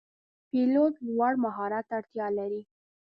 پیلوټ لوړ مهارت ته اړتیا لري.